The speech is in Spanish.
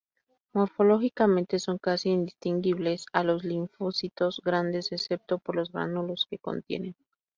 Morfológicamente son casi indistinguibles a los linfocitos grandes excepto por los gránulos que contienen.